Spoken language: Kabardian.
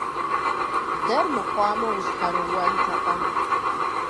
Дэр мыхъуамэ, ущхьэрыуэнтэкъэ?